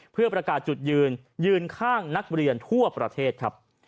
เพื่อประกาศจุดยืนยืนข้างนักเรียนทั่วประเทศครับ